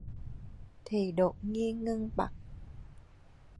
Thì đột nghiên ngưng bặt